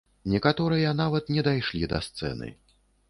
Некаторыя нават не дайшлі да сцэны.